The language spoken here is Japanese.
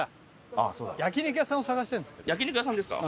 焼肉屋さんですか？